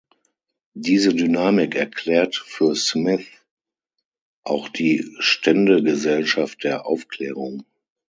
Diese Dynamik erklärt für Smith auch die Ständegesellschaft der Aufklärung.